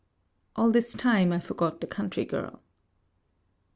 All this time, I forgot the country girl.